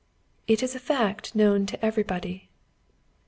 "It is a fact known to everybody."